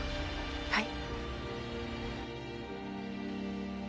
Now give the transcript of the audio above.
はい。